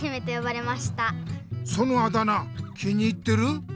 そのあだ名気に入ってる？